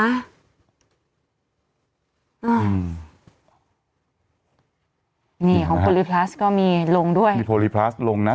อืมนี่ของคุณลีพลัสก็มีลงด้วยมีโพลีพลัสลงนะ